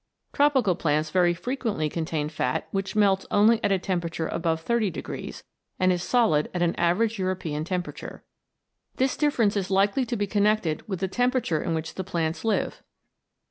Tropical plants very frequently contain fat which melts only at a temperature above 30 degrees, and is solid at an average European temperature. This difference is likely to be connected with the temperature in which the plants live.